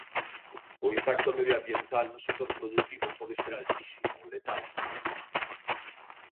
O impacto medioambiental no sector produtivo pode ser altísimo, letal.